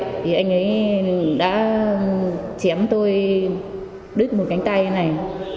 thì anh ấy đã chém tôi đứt một cánh tay như này